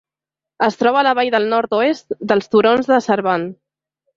Es troba a la vall del nord-oest dels turons de Sarban.